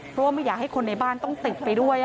เพราะว่าไม่อยากให้คนในบ้านต้องติดไปด้วย